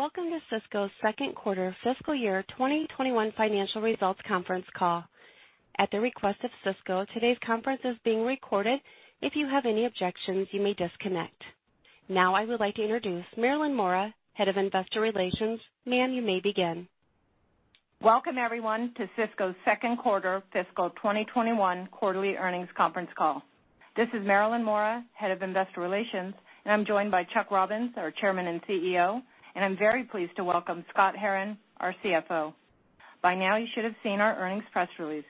Welcome to Cisco's second quarter fiscal year 2021 financial results conference call. At the request of Cisco, today's conference is being recorded. If you have any objections, you may disconnect. Now I would like to introduce Marilyn Mora, Head of Investor Relations. Ma'am, you may begin. Welcome, everyone, to Cisco's second quarter fiscal 2021 quarterly earnings conference call. This is Marilyn Mora, Head of Investor Relations, and I'm joined by Chuck Robbins, our Chairman and CEO, and I'm very pleased to welcome Scott Herren, our CFO. By now you should have seen our earnings press release.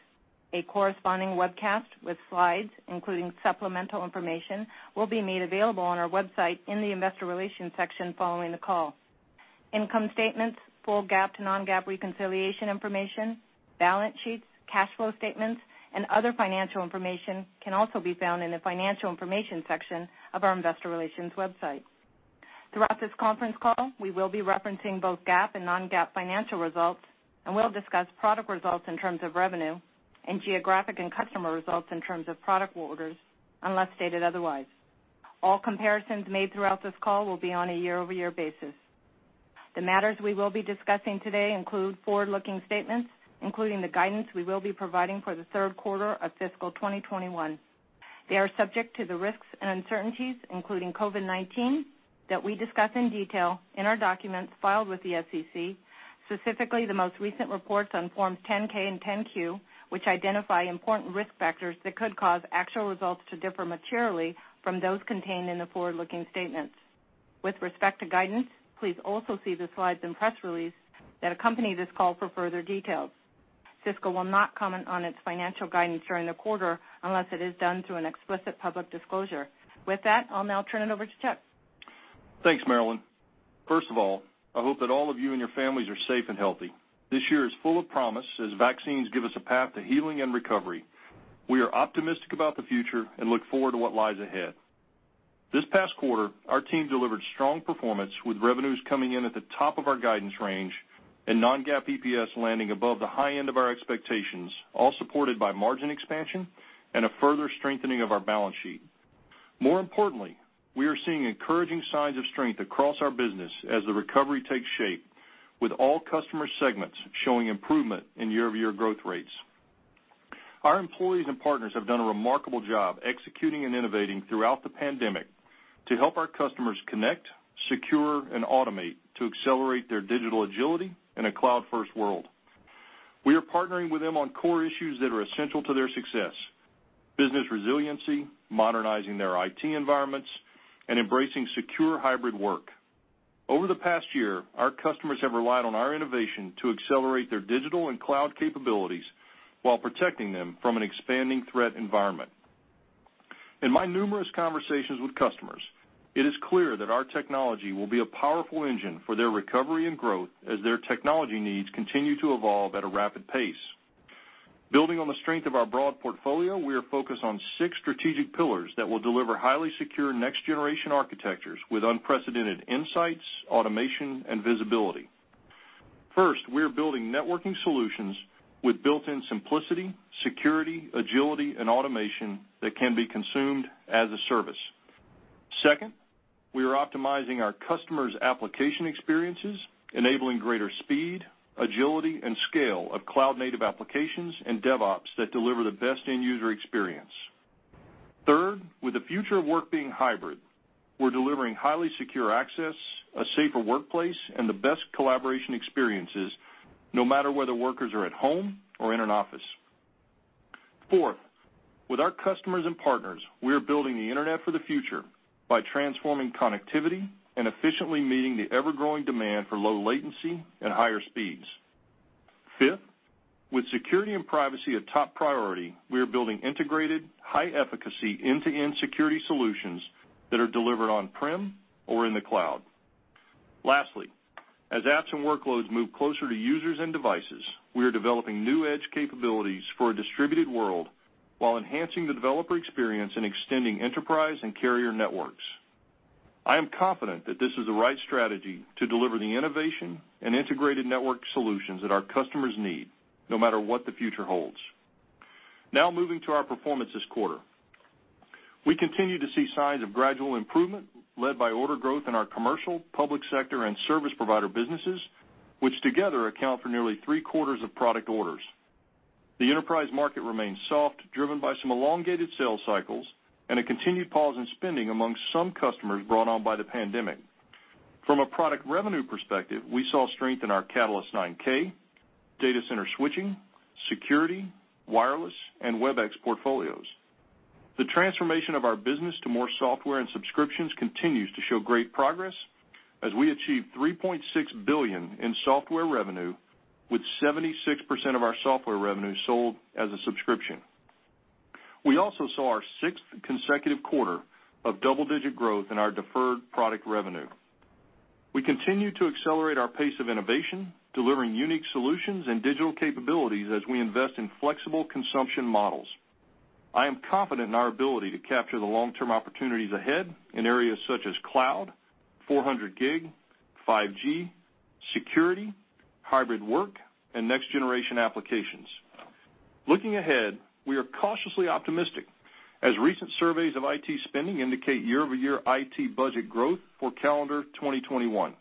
A corresponding webcast with slides, including supplemental information, will be made available on our website in the investor relations section following the call. Income statements, full GAAP to non-GAAP reconciliation information, balance sheets, cash flow statements, and other financial information can also be found in the financial information section of our investor relations website. Throughout this conference call, we will be referencing both GAAP and non-GAAP financial results, and we'll discuss product results in terms of revenue and geographic and customer results in terms of product orders, unless stated otherwise. All comparisons made throughout this call will be on a year-over-year basis. The matters we will be discussing today include forward-looking statements, including the guidance we will be providing for the third quarter of fiscal 2021. They are subject to the risks and uncertainties, including COVID-19, that we discuss in detail in our documents filed with the SEC, specifically the most recent reports on forms 10-K and 10-Q, which identify important risk factors that could cause actual results to differ materially from those contained in the forward-looking statements. With respect to guidance, please also see the slides and press release that accompany this call for further details. Cisco will not comment on its financial guidance during the quarter unless it is done through an explicit public disclosure. With that, I'll now turn it over to Chuck. Thanks, Marilyn. First of all, I hope that all of you and your families are safe and healthy. This year is full of promise as vaccines give us a path to healing and recovery. We are optimistic about the future and look forward to what lies ahead. This past quarter, our team delivered strong performance with revenues coming in at the top of our guidance range and non-GAAP EPS landing above the high end of our expectations, all supported by margin expansion and a further strengthening of our balance sheet. More importantly, we are seeing encouraging signs of strength across our business as the recovery takes shape, with all customer segments showing improvement in year-over-year growth rates. Our employees and partners have done a remarkable job executing and innovating throughout the pandemic to help our customers connect, secure and automate to accelerate their digital agility in a cloud-first world. We are partnering with them on core issues that are essential to their success: business resiliency, modernizing their IT environments, and embracing secure hybrid work. Over the past year, our customers have relied on our innovation to accelerate their digital and cloud capabilities while protecting them from an expanding threat environment. In my numerous conversations with customers, it is clear that our technology will be a powerful engine for their recovery and growth as their technology needs continue to evolve at a rapid pace. Building on the strength of our broad portfolio, we are focused on six strategic pillars that will deliver highly secure next generation architectures with unprecedented insights, automation, and visibility. First, we are building networking solutions with built-in simplicity, security, agility, and automation that can be consumed as a service. Second, we are optimizing our customers' application experiences, enabling greater speed, agility, and scale of cloud native applications and DevOps that deliver the best end-user experience. Third, with the future of work being hybrid, we're delivering highly secure access, a safer workplace, and the best collaboration experiences, no matter whether workers are at home or in an office. Fourth, with our customers and partners, we are building the internet for the future by transforming connectivity and efficiently meeting the ever-growing demand for low latency and higher speeds. Fifth, with security and privacy a top priority, we are building integrated, high efficacy, end-to-end security solutions that are delivered on-prem or in the cloud. Lastly, as apps and workloads move closer to users and devices, we are developing new edge capabilities for a distributed world while enhancing the developer experience and extending enterprise and carrier networks. I am confident that this is the right strategy to deliver the innovation and integrated network solutions that our customers need, no matter what the future holds. Moving to our performance this quarter. We continue to see signs of gradual improvement led by order growth in our commercial, public sector, and service provider businesses, which together account for nearly three-quarters of product orders. The enterprise market remains soft, driven by some elongated sales cycles and a continued pause in spending among some customers brought on by the pandemic. From a product revenue perspective, we saw strength in our Catalyst 9K, data center switching, security, wireless, and Webex portfolios. The transformation of our business to more software and subscriptions continues to show great progress as we achieve $3.6 billion in software revenue with 76% of our software revenue sold as a subscription. We also saw our sixth consecutive quarter of double-digit growth in our deferred product revenue. We continue to accelerate our pace of innovation, delivering unique solutions and digital capabilities as we invest in flexible consumption models. I am confident in our ability to capture the long-term opportunities ahead in areas such as cloud, 400G, 5G, security, hybrid work, and next generation applications. Looking ahead, we are cautiously optimistic as recent surveys of IT spending indicate year-over-year IT budget growth for calendar 2021.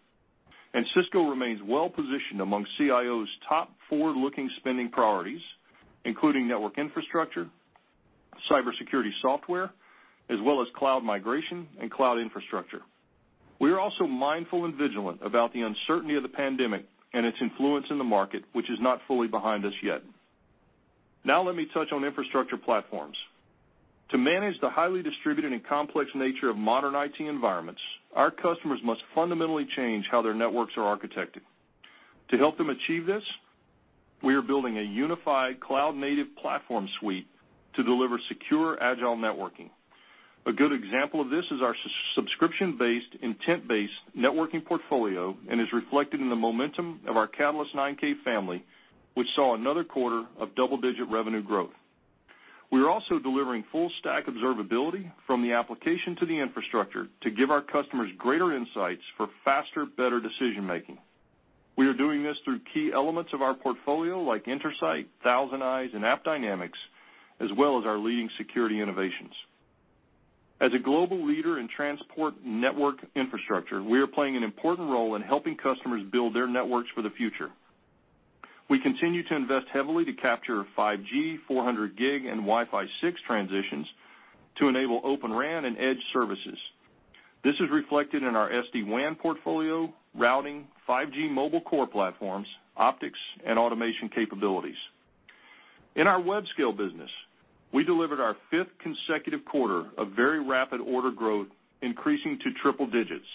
Cisco remains well-positioned among CIOs' top forward-looking spending priorities, including network infrastructure, cybersecurity software, as well as cloud migration and cloud infrastructure. We are also mindful and vigilant about the uncertainty of the pandemic and its influence in the market, which is not fully behind us yet. Now let me touch on infrastructure platforms. To manage the highly distributed and complex nature of modern IT environments, our customers must fundamentally change how their networks are architected. To help them achieve this, we are building a unified cloud-native platform suite to deliver secure, agile networking. A good example of this is our subscription-based, intent-based networking portfolio and is reflected in the momentum of our Catalyst 9K family, which saw another quarter of double-digit revenue growth. We are also delivering full-stack observability from the application to the infrastructure to give our customers greater insights for faster, better decision-making. We are doing this through key elements of our portfolio like Intersight, ThousandEyes, and AppDynamics, as well as our leading security innovations. As a global leader in transport network infrastructure, we are playing an important role in helping customers build their networks for the future. We continue to invest heavily to capture 5G, 400 Gig and Wi-Fi 6 transitions to enable Open RAN and edge services. This is reflected in our SD-WAN portfolio, routing, 5G mobile core platforms, optics, and automation capabilities. In our web scale business, we delivered our fifth consecutive quarter of very rapid order growth, increasing to triple digits.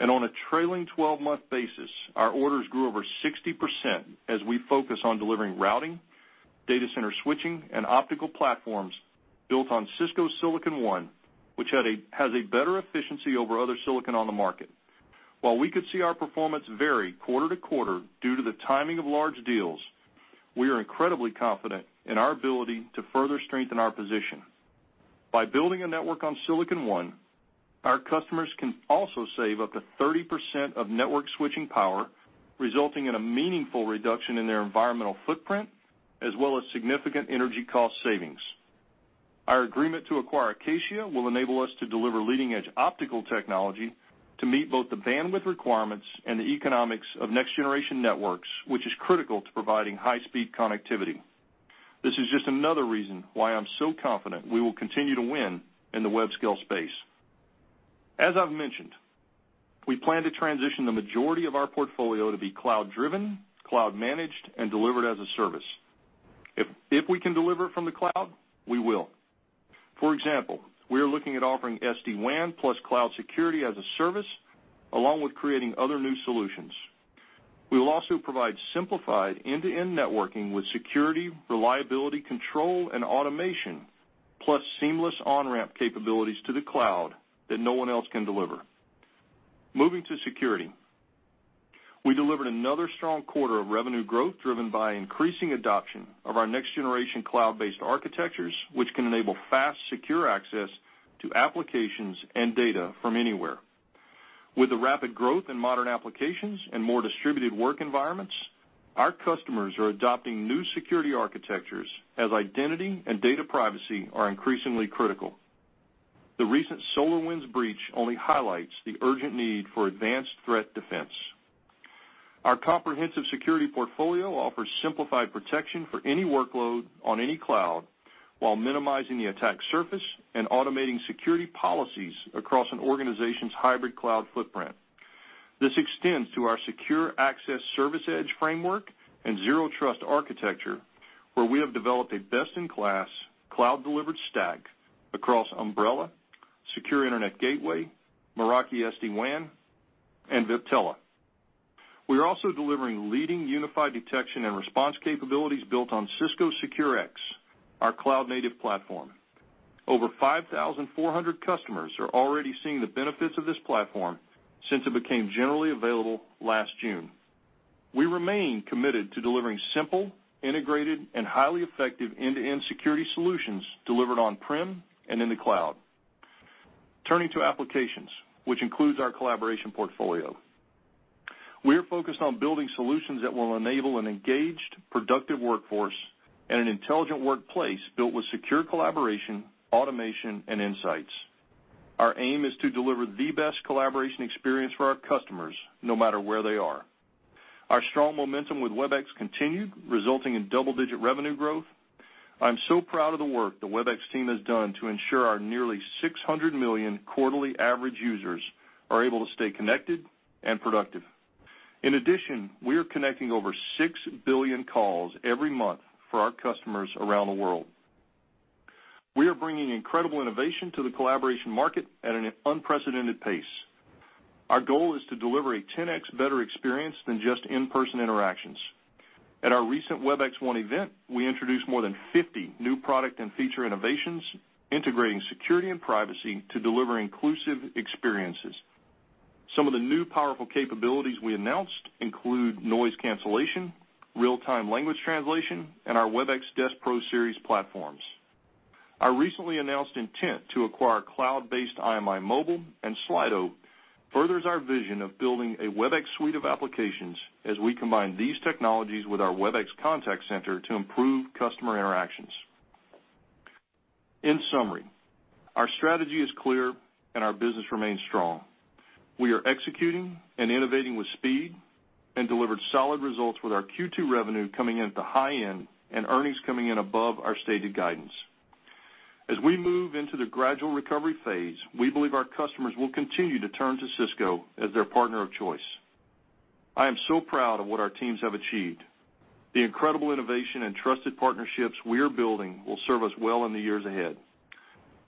On a trailing 12-month basis, our orders grew over 60% as we focus on delivering routing, data center switching, and optical platforms built on Cisco Silicon One, which has a better efficiency over other silicon on the market. While we could see our performance vary quarter to quarter due to the timing of large deals, we are incredibly confident in our ability to further strengthen our position. By building a network on Silicon One, our customers can also save up to 30% of network switching power, resulting in a meaningful reduction in their environmental footprint, as well as significant energy cost savings. Our agreement to acquire Acacia will enable us to deliver leading-edge optical technology to meet both the bandwidth requirements and the economics of next-generation networks, which is critical to providing high-speed connectivity. This is just another reason why I'm so confident we will continue to win in the web scale space. As I've mentioned, we plan to transition the majority of our portfolio to be cloud-driven, cloud-managed, and delivered as a service. If we can deliver from the cloud, we will. For example, we are looking at offering SD-WAN plus cloud security as a service along with creating other new solutions. We will also provide simplified end-to-end networking with security, reliability, control, and automation, plus seamless on-ramp capabilities to the cloud that no one else can deliver. Moving to security. We delivered another strong quarter of revenue growth driven by increasing adoption of our next-generation cloud-based architectures, which can enable fast, secure access to applications and data from anywhere. With the rapid growth in modern applications and more distributed work environments, our customers are adopting new security architectures as identity and data privacy are increasingly critical. The recent SolarWinds breach only highlights the urgent need for advanced threat defense. Our comprehensive security portfolio offers simplified protection for any workload on any cloud while minimizing the attack surface and automating security policies across an organization's hybrid cloud footprint. This extends to our Secure Access Service Edge framework and zero trust architecture, where we have developed a best-in-class cloud-delivered stack across Umbrella, Secure Internet Gateway, Meraki SD-WAN, and Viptela. We are also delivering leading unified detection and response capabilities built on Cisco SecureX, our cloud-native platform. Over 5,400 customers are already seeing the benefits of this platform since it became generally available last June. We remain committed to delivering simple, integrated, and highly effective end-to-end security solutions delivered on-prem and in the cloud. Turning to applications, which includes our collaboration portfolio. We are focused on building solutions that will enable an engaged, productive workforce and an intelligent workplace built with secure collaboration, automation, and insights. Our aim is to deliver the best collaboration experience for our customers, no matter where they are. Our strong momentum with Webex continued, resulting in double-digit revenue growth. I'm so proud of the work the Webex team has done to ensure our nearly 600 million quarterly average users are able to stay connected and productive. We are connecting over 6 billion calls every month for our customers around the world. We are bringing incredible innovation to the collaboration market at an unprecedented pace. Our goal is to deliver a 10X better experience than just in-person interactions. At our recent WebexOne event, we introduced more than 50 new product and feature innovations integrating security and privacy to deliver inclusive experiences. Some of the new powerful capabilities we announced include noise cancellation, real-time language translation, and our Webex Desk Pro series platforms. Our recently announced intent to acquire cloud-based IMImobile and Slido furthers our vision of building a Webex suite of applications as we combine these technologies with our Webex Contact Center to improve customer interactions. In summary, our strategy is clear and our business remains strong. We are executing and innovating with speed, and delivered solid results with our Q2 revenue coming in at the high end, and earnings coming in above our stated guidance. As we move into the gradual recovery phase, we believe our customers will continue to turn to Cisco as their partner of choice. I am so proud of what our teams have achieved. The incredible innovation and trusted partnerships we are building will serve us well in the years ahead.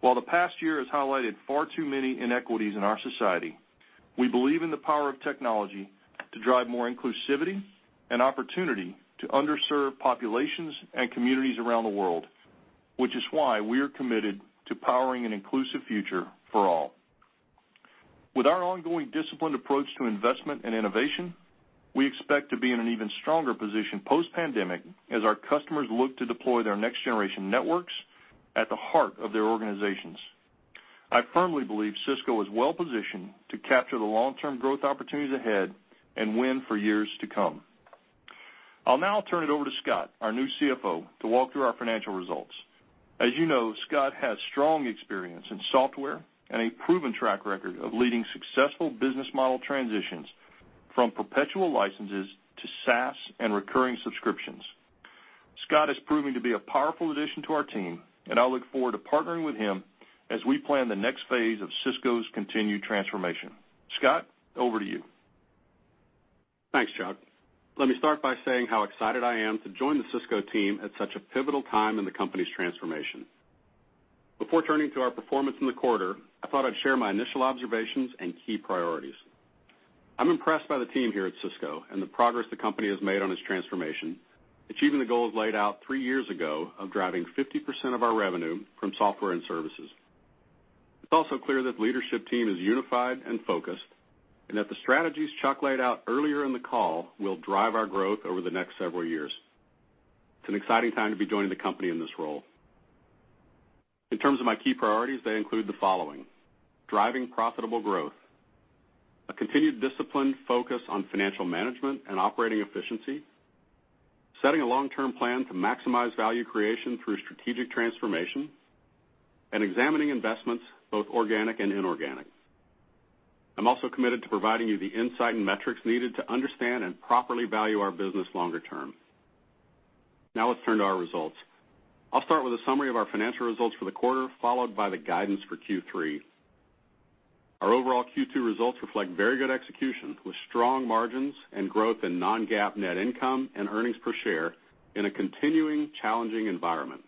While the past year has highlighted far too many inequities in our society, we believe in the power of technology to drive more inclusivity and opportunity to underserved populations and communities around the world, which is why we are committed to powering an inclusive future for all. With our ongoing disciplined approach to investment and innovation, we expect to be in an even stronger position post-pandemic as our customers look to deploy their next-generation networks at the heart of their organizations. I firmly believe Cisco is well-positioned to capture the long-term growth opportunities ahead and win for years to come. I'll now turn it over to Scott, our new CFO, to walk through our financial results. As you know, Scott has strong experience in software and a proven track record of leading successful business model transitions from perpetual licenses to SaaS and recurring subscriptions. Scott is proving to be a powerful addition to our team, and I look forward to partnering with him as we plan the next phase of Cisco's continued transformation. Scott, over to you. Thanks, Chuck. Let me start by saying how excited I am to join the Cisco team at such a pivotal time in the company's transformation. Before turning to our performance in the quarter, I thought I'd share my initial observations and key priorities. I'm impressed by the team here at Cisco and the progress the company has made on its transformation, achieving the goals laid out three years ago of driving 50% of our revenue from software and services. It's also clear that the leadership team is unified and focused, and that the strategies Chuck laid out earlier in the call will drive our growth over the next several years. It's an exciting time to be joining the company in this role. In terms of my key priorities, they include the following: driving profitable growth, a continued disciplined focus on financial management and operating efficiency, setting a long-term plan to maximize value creation through strategic transformation, and examining investments, both organic and inorganic. I'm also committed to providing you the insight and metrics needed to understand and properly value our business longer term. Now let's turn to our results. I'll start with a summary of our financial results for the quarter, followed by the guidance for Q3. Our overall Q2 results reflect very good execution, with strong margins and growth in non-GAAP net income and EPS in a continuing challenging environment.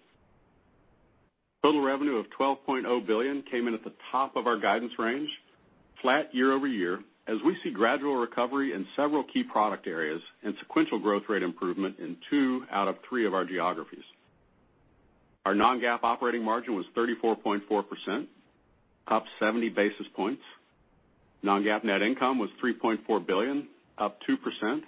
Total revenue of $12.0 billion came in at the top of our guidance range, flat year-over-year, as we see gradual recovery in several key product areas and sequential growth rate improvement in two out of three of our geographies. Our non-GAAP operating margin was 34.4%, up 70 basis points. Non-GAAP net income was $3.4 billion, up 2%,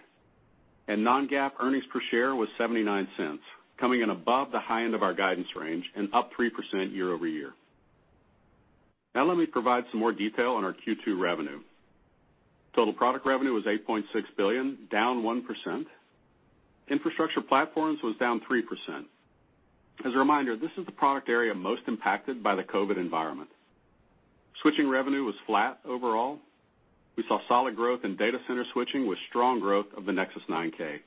and non-GAAP earnings per share was $0.79, coming in above the high end of our guidance range and up 3% year-over-year. Now let me provide some more detail on our Q2 revenue. Total product revenue was $8.6 billion, down 1%. Infrastructure platforms was down 3%. As a reminder, this is the product area most impacted by the COVID environment. Switching revenue was flat overall. We saw solid growth in data center switching with strong growth of the Nexus 9K.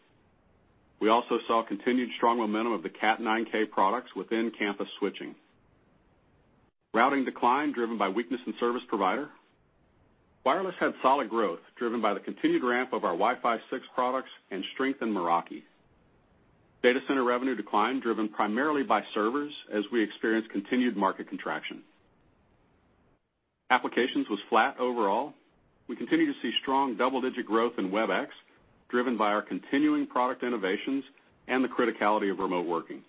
We also saw continued strong momentum of the Cat 9K products within campus switching. Routing decline driven by weakness in service provider. Wireless had solid growth, driven by the continued ramp of our Wi-Fi 6 products and strength in Meraki. Data center revenue decline driven primarily by servers as we experienced continued market contraction. Applications was flat overall. We continue to see strong double-digit growth in Webex, driven by our continuing product innovations and the criticality of remote working.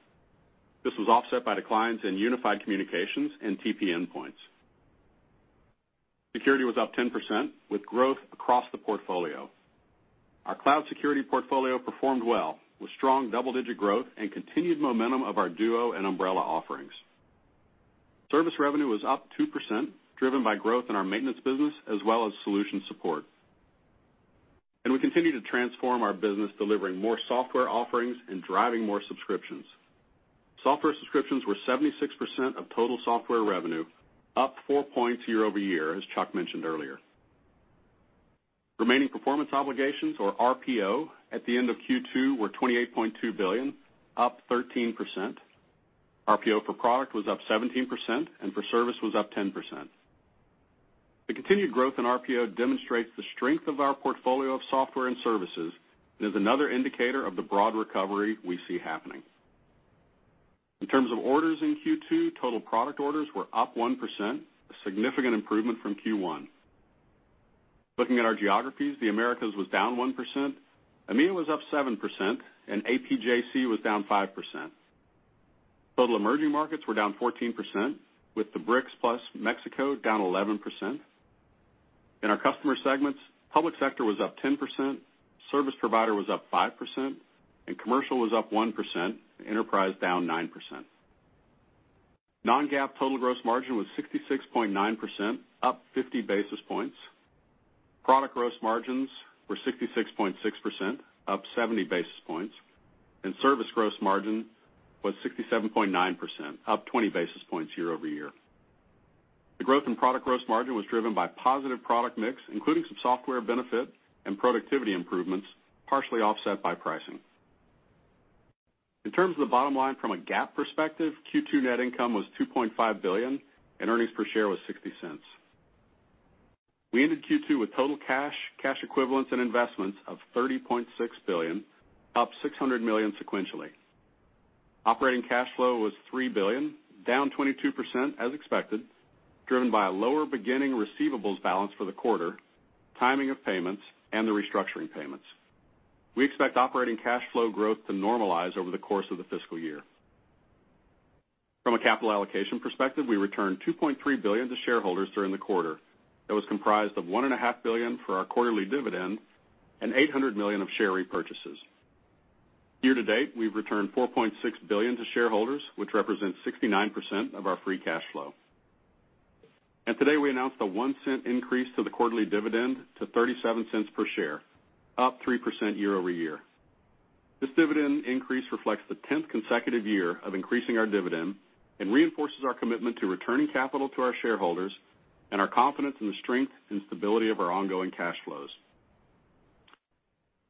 This was offset by declines in unified communications and TP endpoints. Security was up 10%, with growth across the portfolio. Our cloud security portfolio performed well, with strong double-digit growth and continued momentum of our Duo and Umbrella offerings. Service revenue was up 2%, driven by growth in our maintenance business as well as solution support. We continue to transform our business, delivering more software offerings and driving more subscriptions. Software subscriptions were 76% of total software revenue, up four points year-over-year, as Chuck mentioned earlier. Remaining performance obligations, or RPO, at the end of Q2 were $28.2 billion, up 13%. RPO for product was up 17%, and for service was up 10%. The continued growth in RPO demonstrates the strength of our portfolio of software and services and is another indicator of the broad recovery we see happening. In terms of orders in Q2, total product orders were up 1%, a significant improvement from Q1. Looking at our geographies, the Americas was down 1%, EMEA was up 7%, and APJC was down 5%. Total emerging markets were down 14%, with the BRICS plus Mexico down 11%. In our customer segments, public sector was up 10%, service provider was up 5%, and commercial was up 1%, enterprise down 9%. Non-GAAP total gross margin was 66.9%, up 50 basis points. Product gross margins were 66.6%, up 70 basis points, and service gross margin was 67.9%, up 20 basis points year-over-year. The growth in product gross margin was driven by positive product mix, including some software benefit and productivity improvements, partially offset by pricing. In terms of the bottom line from a GAAP perspective, Q2 net income was $2.5 billion, and earnings per share was $0.60. We ended Q2 with total cash equivalents, and investments of $30.6 billion, up $600 million sequentially. Operating cash flow was $3 billion, down 22% as expected, driven by a lower beginning receivables balance for the quarter, timing of payments, and the restructuring payments. We expect operating cash flow growth to normalize over the course of the fiscal year. From a capital allocation perspective, we returned $2.3 billion to shareholders during the quarter. That was comprised of $1.5 billion for our quarterly dividend and $800 million of share repurchases. Year to date, we've returned $4.6 billion to shareholders, which represents 69% of our free cash flow. Today, we announced a $0.01 increase to the quarterly dividend to $0.37 per share, up 3% year-over-year. This dividend increase reflects the 10th consecutive year of increasing our dividend and reinforces our commitment to returning capital to our shareholders and our confidence in the strength and stability of our ongoing cash flows.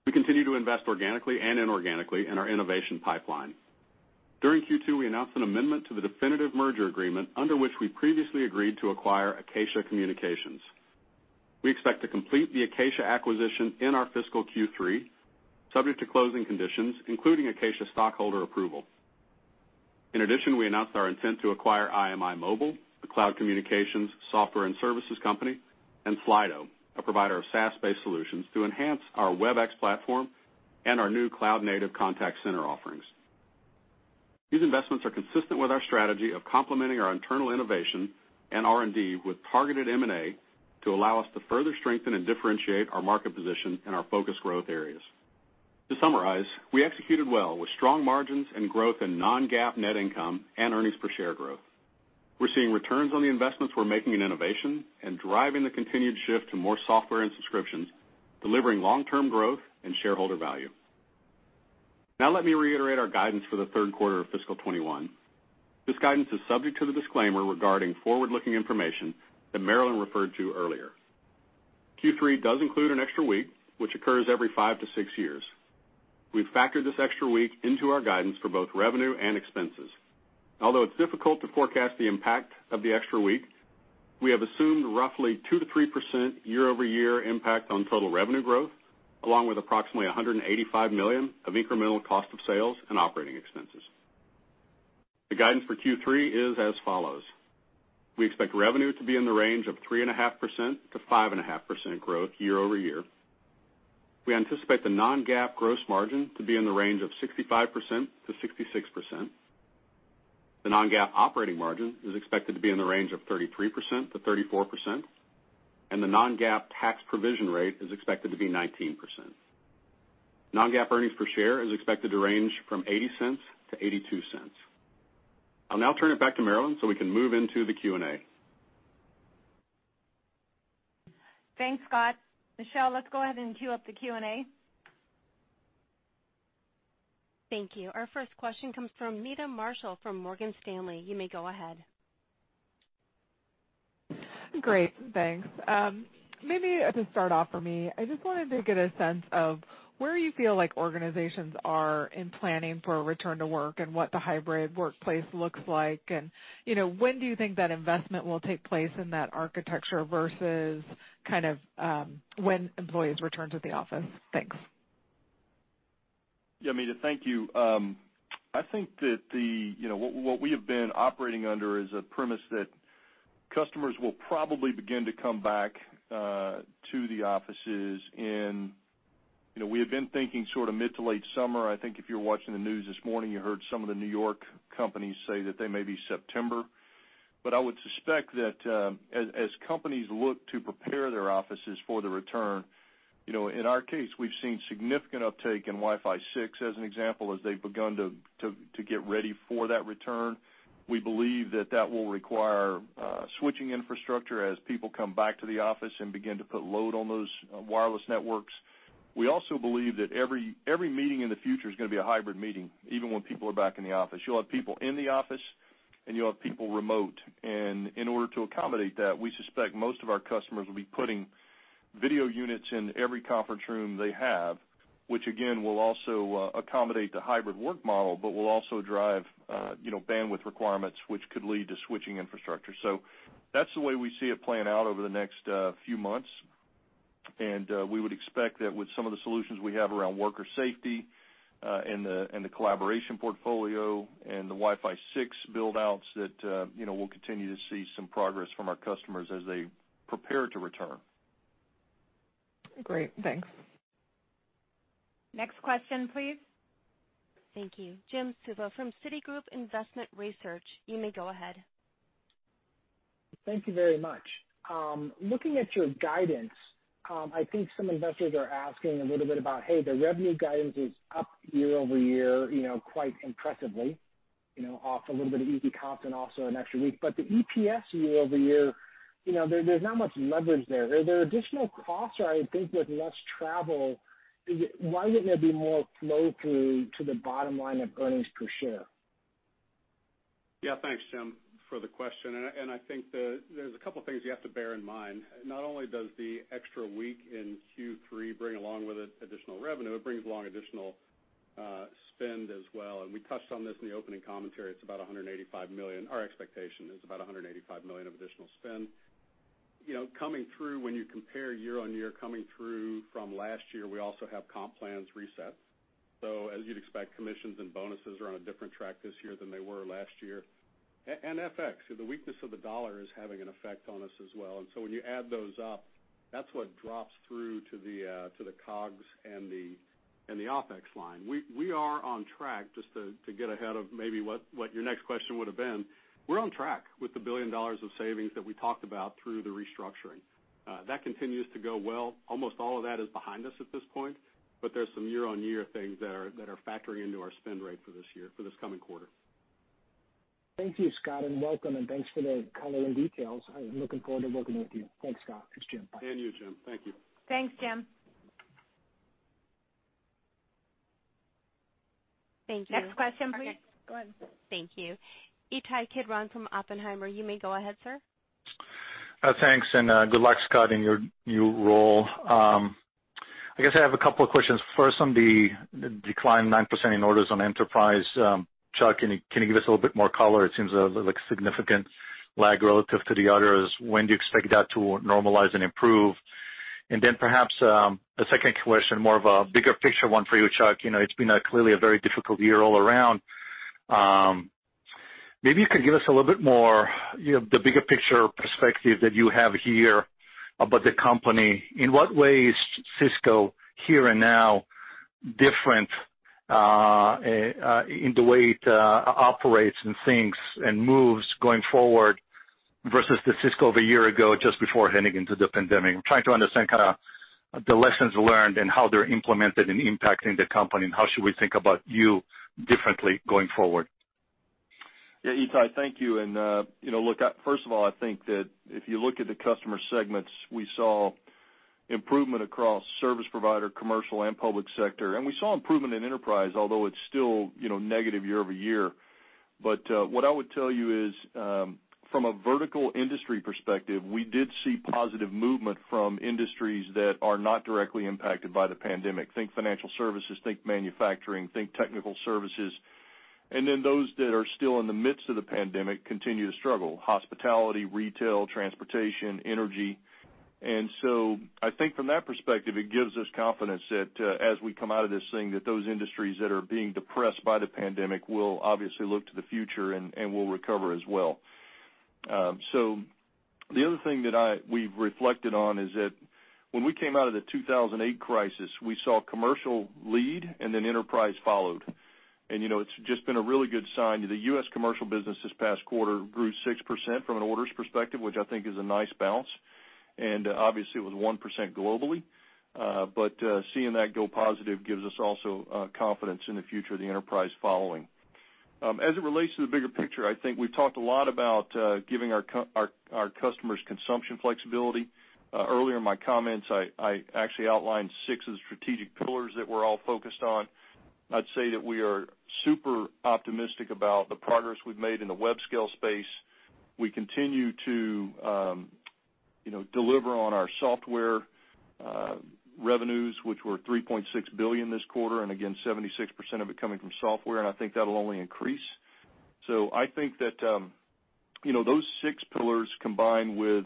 We continue to invest organically and inorganically in our innovation pipeline. During Q2, we announced an amendment to the definitive merger agreement under which we previously agreed to acquire Acacia Communications. We expect to complete the Acacia acquisition in our fiscal Q3, subject to closing conditions, including Acacia stockholder approval. We announced our intent to acquire IMImobile, a cloud communications software and services company, and Slido, a provider of SaaS-based solutions to enhance our Webex platform and our new cloud-native contact center offerings. These investments are consistent with our strategy of complementing our internal innovation and R&D with targeted M&A to allow us to further strengthen and differentiate our market position and our focus growth areas. To summarize, we executed well with strong margins and growth in non-GAAP net income and EPS growth. We're seeing returns on the investments we're making in innovation and driving the continued shift to more software and subscriptions, delivering long-term growth and shareholder value. Let me reiterate our guidance for the third quarter of fiscal 2021. This guidance is subject to the disclaimer regarding forward-looking information that Marilyn referred to earlier. Q3 does include an extra week, which occurs every five to six years. We've factored this extra week into our guidance for both revenue and expenses. Although it's difficult to forecast the impact of the extra week, we have assumed roughly 2%-3% year-over-year impact on total revenue growth, along with approximately $185 million of incremental cost of sales and operating expenses. The guidance for Q3 is as follows. We expect revenue to be in the range of 3.5%-5.5% growth year-over-year. We anticipate the non-GAAP gross margin to be in the range of 65%-66%. The non-GAAP operating margin is expected to be in the range of 33%-34%, and the non-GAAP tax provision rate is expected to be 19%. Non-GAAP earnings per share is expected to range from $0.80-$0.82. I'll now turn it back to Marilyn so we can move into the Q&A. Thanks, Scott. Michelle, let's go ahead and queue up the Q&A. Thank you. Our first question comes from Meta Marshall from Morgan Stanley. You may go ahead. Great, thanks. Maybe to start off for me, I just wanted to get a sense of where you feel like organizations are in planning for a return to work and what the hybrid workplace looks like, and when do you think that investment will take place in that architecture versus when employees return to the office? Thanks. Yeah, Meta, thank you. I think that what we have been operating under is a premise that customers will probably begin to come back to the offices in, we have been thinking mid to late summer. I think if you were watching the news this morning, you heard some of the New York companies say that they may be September. I would suspect that as companies look to prepare their offices for the return, in our case, we've seen significant uptake in Wi-Fi 6, as an example, as they've begun to get ready for that return. We believe that that will require switching infrastructure as people come back to the office and begin to put load on those wireless networks. We also believe that every meeting in the future is going to be a hybrid meeting, even when people are back in the office. You'll have people in the office and you'll have people remote. In order to accommodate that, we suspect most of our customers will be putting video units in every conference room they have, which again, will also accommodate the hybrid work model, but will also drive bandwidth requirements, which could lead to switching infrastructure. That's the way we see it playing out over the next few months. We would expect that with some of the solutions we have around worker safety, the collaboration portfolio, the Wi-Fi 6 build-outs, that we'll continue to see some progress from our customers as they prepare to return. Great. Thanks. Next question, please. Thank you. Jim Suva from Citigroup Investment Research, you may go ahead. Thank you very much. Looking at your guidance, I think some investors are asking a little bit about, hey, the revenue guidance is up year-over-year, quite impressively, off a little bit of easy comp and also an extra week. The EPS year-over-year, there's not much leverage there. Are there additional costs or I would think with less travel, why wouldn't there be more flow through to the bottom line of earnings per share? Thanks, Jim, for the question. I think there's a couple of things you have to bear in mind. Not only does the extra week in Q3 bring along with it additional revenue, it brings along additional spend as well. We touched on this in the opening commentary. Our expectation is about $185 million of additional spend. Coming through when you compare year-on-year coming through from last year, we also have comp plans reset. As you'd expect, commissions and bonuses are on a different track this year than they were last year. FX, the weakness of the dollar is having an effect on us as well. When you add those up, that's what drops through to the COGS and the OPEX line. We are on track just to get ahead of maybe what your next question would have been. We're on track with $1 billion of savings that we talked about through the restructuring. That continues to go well. Almost all of that is behind us at this point. There's some year-on-year things that are factoring into our spend rate for this year, for this coming quarter. Thank you, Scott, welcome, and thanks for the color and details. I am looking forward to working with you. Thanks, Scott. Bye. Thank you, Jim. Thank you. Thanks, Jim. Thank you. Next question, please. Okay, go ahead. Thank you. Ittai Kidron from Oppenheimer. You may go ahead, sir. Thanks. Good luck, Scott, in your new role. I guess I have a couple of questions. First on the decline, 9% in orders on enterprise. Chuck, can you give us a little bit more color? It seems like a significant lag relative to the others. When do you expect that to normalize and improve? Then perhaps, a second question, more of a bigger picture one for you, Chuck. It's been clearly a very difficult year all around. Maybe you could give us a little bit more, the bigger picture perspective that you have here about the company. In what way is Cisco here and now different in the way it operates and thinks and moves going forward versus the Cisco of one year ago just before heading into the pandemic? I'm trying to understand the lessons learned and how they're implemented and impacting the company, and how should we think about you differently going forward? Ittai, thank you. Look, first of all, I think that if you look at the customer segments, we saw improvement across service provider, commercial, and public sector. We saw improvement in enterprise, although it's still negative year-over-year. What I would tell you is, from a vertical industry perspective, we did see positive movement from industries that are not directly impacted by the pandemic. Think financial services, think manufacturing, think technical services. Those that are still in the midst of the pandemic continue to struggle. Hospitality, retail, transportation, energy. I think from that perspective, it gives us confidence that as we come out of this thing, that those industries that are being depressed by the pandemic will obviously look to the future and will recover as well. The other thing that we've reflected on is that when we came out of the 2008 crisis, we saw commercial lead and then enterprise followed. It's just been a really good sign. The U.S. commercial business this past quarter grew 6% from an orders perspective, which I think is a nice bounce, and obviously it was 1% globally. Seeing that go positive gives us also confidence in the future of the enterprise following. As it relates to the bigger picture, I think we've talked a lot about giving our customers consumption flexibility. Earlier in my comments, I actually outlined six of the strategic pillars that we're all focused on. I'd say that we are super optimistic about the progress we've made in the web scale space. We continue to deliver on our software revenues, which were $3.6 billion this quarter, and again, 76% of it coming from software, and I think that'll only increase. I think that those six pillars, combined with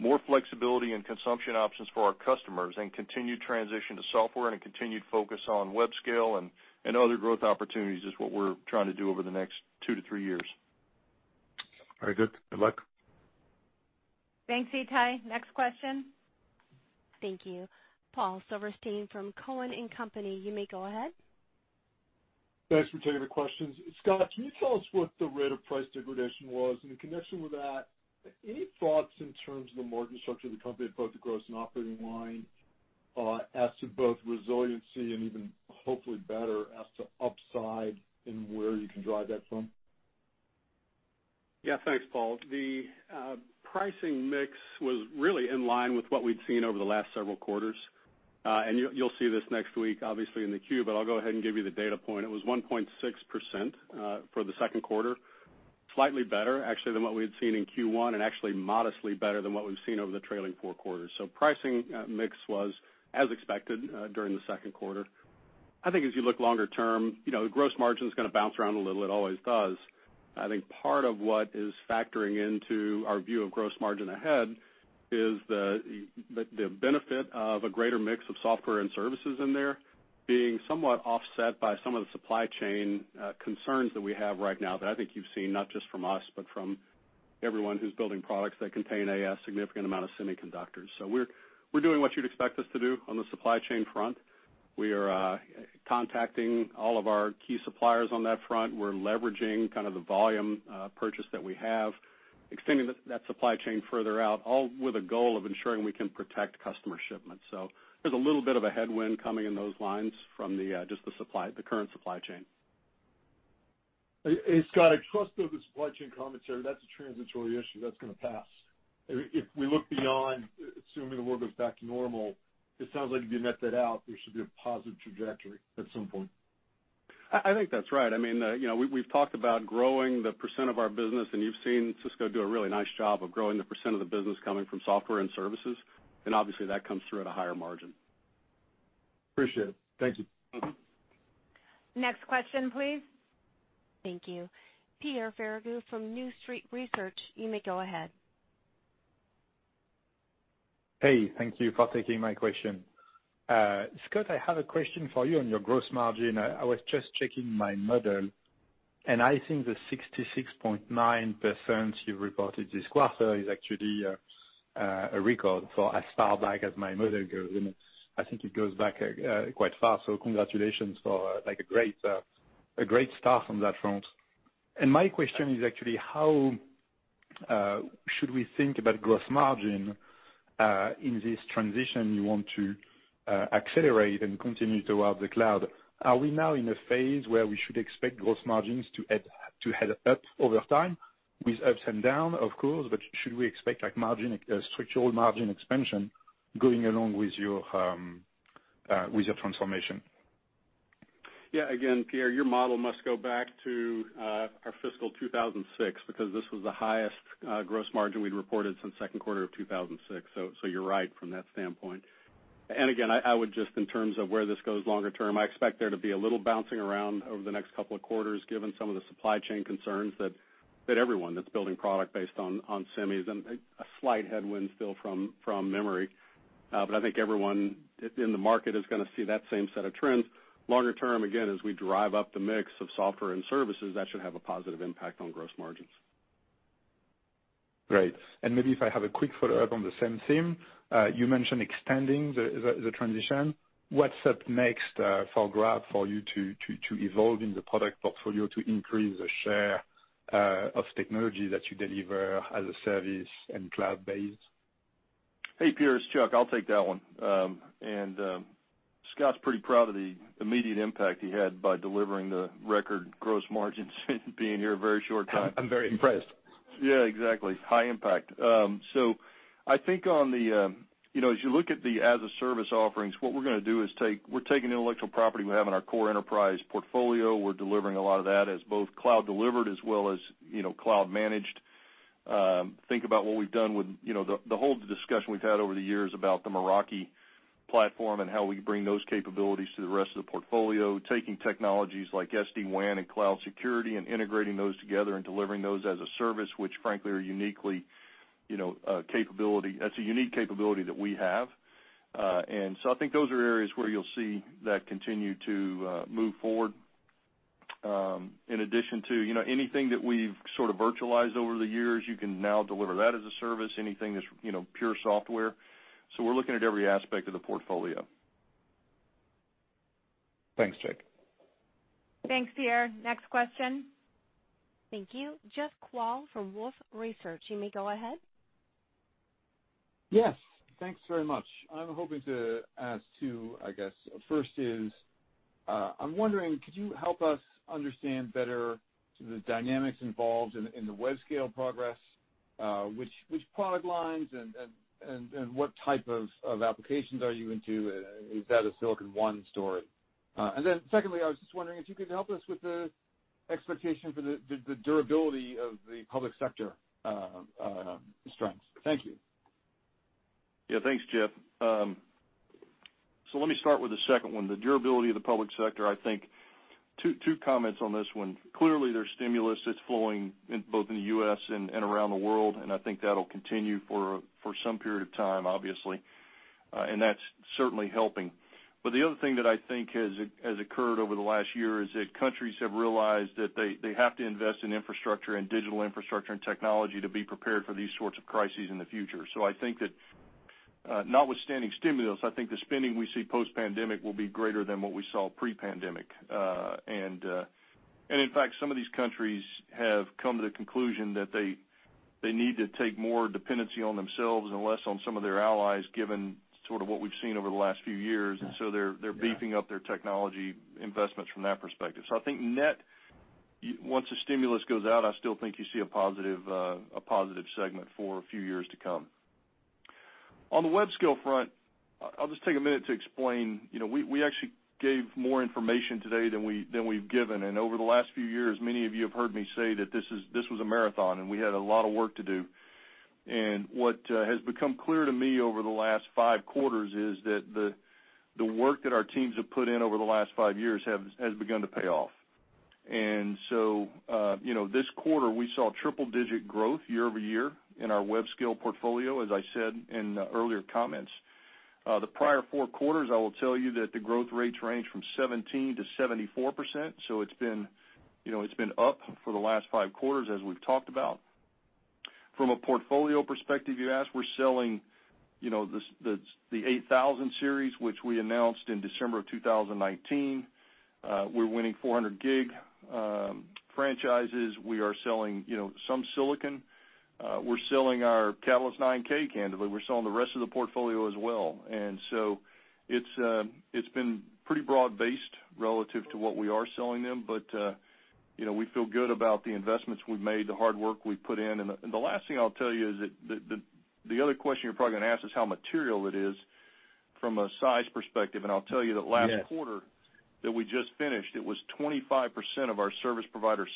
more flexibility and consumption options for our customers and continued transition to software and a continued focus on web scale and other growth opportunities, is what we're trying to do over the next two to three years. Very good. Good luck. Thanks, Ittai. Next question. Thank you. Paul Silverstein from Cowen and Company, you may go ahead. Thanks for taking the questions. Scott, can you tell us what the rate of price degradation was? In connection with that, any thoughts in terms of the margin structure of the company at both the gross and operating line as to both resiliency and even hopefully better as to upside and where you can drive that from? Yeah. Thanks, Paul. The pricing mix was really in line with what we'd seen over the last several quarters. You'll see this next week, obviously, in the 10-Q, but I'll go ahead and give you the data point. It was 1.6% for the second quarter, slightly better, actually, than what we had seen in Q1 and actually modestly better than what we've seen over the trailing four quarters. Pricing mix was as expected during the second quarter. I think as you look longer term, the gross margin's going to bounce around a little. It always does. I think part of what is factoring into our view of gross margin ahead is the benefit of a greater mix of software and services in there being somewhat offset by some of the supply chain concerns that we have right now that I think you've seen, not just from us, but from everyone who's building products that contain a significant amount of semiconductors. We're doing what you'd expect us to do on the supply chain front. We are contacting all of our key suppliers on that front. We're leveraging the volume purchase that we have, extending that supply chain further out, all with a goal of ensuring we can protect customer shipments. There's a little bit of a headwind coming in those lines from just the current supply chain. Hey, Scott, I trust those supply chain commentary, that's a transitory issue that's going to pass. If we look beyond assuming the world goes back to normal, it sounds like if you net that out, there should be a positive trajectory at some point. I think that's right. We've talked about growing the percentage of our business, you've seen Cisco do a really nice job of growing the percentage of the business coming from software and services. Obviously, that comes through at a higher margin. Appreciate it. Thank you. Next question, please. Thank you. Pierre Ferragu from New Street Research, you may go ahead. Hey, thank you for taking my question. Scott, I have a question for you on your gross margin. I was just checking my model, and I think the 66.9% you reported this quarter is actually a record for as far back as my model goes, and I think it goes back quite far. Congratulations for a great start on that front. My question is actually how should we think about gross margin in this transition you want to accelerate and continue throughout the cloud? Are we now in a phase where we should expect gross margins to head up over time, with ups and down, of course, but should we expect structural margin expansion going along with your transformation? Yeah, again, Pierre, your model must go back to our fiscal 2006 because this was the highest gross margin we'd reported since second quarter of 2006. You're right from that standpoint. I would just, in terms of where this goes longer term, I expect there to be a little bouncing around over the next couple of quarters, given some of the supply chain concerns that everyone that's building product based on semis and a slight headwind still from memory. I think everyone in the market is going to see that same set of trends. Longer term, again, as we drive up the mix of software and services, that should have a positive impact on gross margins. Great. Maybe if I have a quick follow-up on the same theme. You mentioned extending the transition. What's up next for grab for you to evolve in the product portfolio to increase the share of technology that you deliver as a service and cloud-based? Hey, Pierre, it's Chuck. I'll take that one. Scott's pretty proud of the immediate impact he had by delivering the record gross margins being here a very short time. I'm very impressed. Yeah, exactly. High impact. I think as you look at the as-a-service offerings, what we're going to do is we're taking intellectual property we have in our core enterprise portfolio. We're delivering a lot of that as both cloud delivered as well as cloud managed. Think about what we've done with the whole discussion we've had over the years about the Meraki platform and how we bring those capabilities to the rest of the portfolio, taking technologies like SD-WAN and cloud security and integrating those together and delivering those as a service, which frankly, that's a unique capability that we have. I think those are areas where you'll see that continue to move forward. In addition to anything that we've sort of virtualized over the years, you can now deliver that as a service, anything that's pure software. We're looking at every aspect of the portfolio. Thanks, Chuck. Thanks, Pierre. Next question. Thank you. Jeff Kvaal from Wolfe Research. You may go ahead. Yes. Thanks very much. I'm hoping to ask two, I guess. First is, I'm wondering, could you help us understand better the dynamics involved in the web scale progress which product lines and what type of applications are you into? Is that a Silicon One story? Secondly, I was just wondering if you could help us with the expectation for the durability of the public sector strengths. Thank you. Thanks, Jeff. Let me start with the second one, the durability of the public sector. I think two comments on this one. Clearly, there's stimulus that's flowing both in the U.S. and around the world, and I think that'll continue for some period of time, obviously. That's certainly helping. The other thing that I think has occurred over the last year is that countries have realized that they have to invest in infrastructure and digital infrastructure and technology to be prepared for these sorts of crises in the future. I think that notwithstanding stimulus, I think the spending we see post-pandemic will be greater than what we saw pre-pandemic. In fact, some of these countries have come to the conclusion that they need to take more dependency on themselves and less on some of their allies, given sort of what we've seen over the last few years. They're beefing up their technology investments from that perspective. I think net, once the stimulus goes out, I still think you see a positive segment for a few years to come. On the web scale front, I'll just take a minute to explain. We actually gave more information today than we've given. Over the last few years, many of you have heard me say that this was a marathon, and we had a lot of work to do. What has become clear to me over the last five quarters is that the work that our teams have put in over the last five years has begun to pay off. This quarter, we saw triple-digit growth year-over-year in our web scale portfolio, as I said in earlier comments. The prior four quarters, I will tell you that the growth rates range from 17%-74%. It's been up for the last five quarters, as we've talked about. From a portfolio perspective, you asked, we're selling the 8000 Series, which we announced in December of 2019. We're winning 400 Gig franchises. We are selling some silicon. We're selling our Catalyst 9K, candidly. We're selling the rest of the portfolio as well. It's been pretty broad-based relative to what we are selling them. We feel good about the investments we've made, the hard work we've put in. The last thing I'll tell you is that the other question you're probably going to ask is how material it is from a size perspective. I'll tell you that last quarter that we just finished, it was 25% of our service provider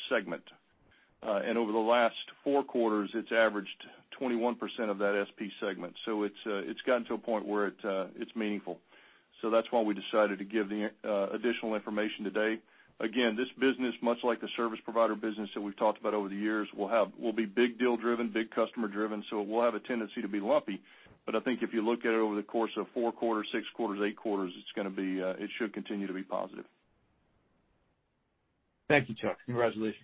segment. Over the last four quarters, it's averaged 21% of that SP segment. It's gotten to a point where it's meaningful. That's why we decided to give the additional information today. Again, this business, much like the service provider business that we've talked about over the years, will be big deal driven, big customer driven. It will have a tendency to be lumpy. I think if you look at it over the course of four quarters, six quarters, eight quarters, it should continue to be positive. Thank you, Chuck. Congratulations.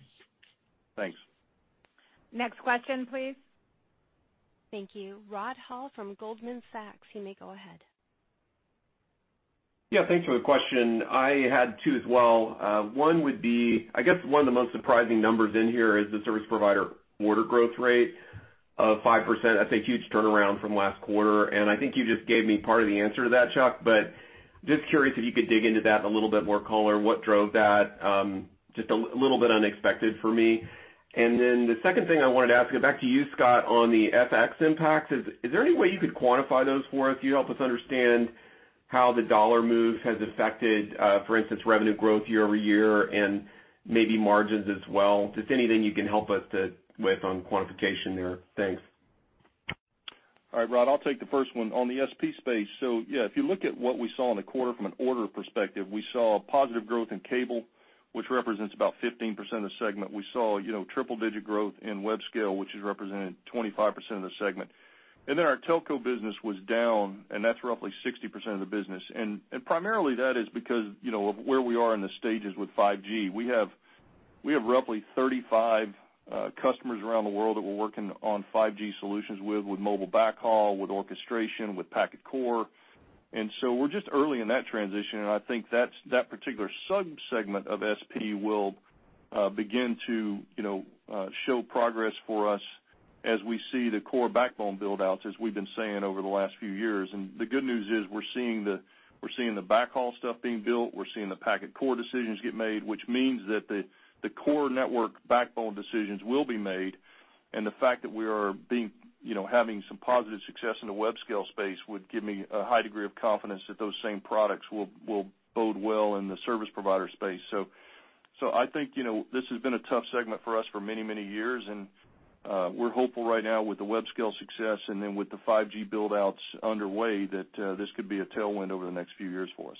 Thanks. Next question, please. Thank you. Rod Hall from Goldman Sachs, you may go ahead. Yeah, thanks for the question. I had two as well. One would be, I guess one of the most surprising numbers in here is the service provider order growth rate of 5%. That's a huge turnaround from last quarter, and I think you just gave me part of the answer to that, Chuck, but just curious if you could dig into that in a little bit more color. What drove that? Just a little bit unexpected for me. The second thing I wanted to ask, back to you, Scott, on the FX impact, is there any way you could quantify those for us? You help us understand how the dollar move has affected, for instance, revenue growth year-over-year and maybe margins as well. Just anything you can help us with on quantification there. Thanks. All right, Rod, I'll take the first one. On the SP space, yeah, if you look at what we saw in the quarter from an order perspective, we saw positive growth in cable, which represents about 15% of the segment. We saw triple-digit growth in web scale, which is representing 25% of the segment. Our telco business was down, and that's roughly 60% of the business. Primarily that is because of where we are in the stages with 5G. We have roughly 35 customers around the world that we're working on 5G solutions with mobile backhaul, with orchestration, with packet core. We're just early in that transition, and I think that particular sub-segment of SP will begin to show progress for us as we see the core backbone build-outs, as we've been saying over the last few years. The good news is we're seeing the backhaul stuff being built. We're seeing the packet core decisions get made, which means that the core network backbone decisions will be made. The fact that we are having some positive success in the web scale space would give me a high degree of confidence that those same products will bode well in the service provider space. I think this has been a tough segment for us for many years, and we're hopeful right now with the web scale success and then with the 5G build-outs underway, that this could be a tailwind over the next few years for us.